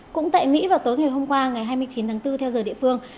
cũng tại mỹ vào tối ngày hôm qua ngày hai mươi chín tháng bốn theo giờ địa phương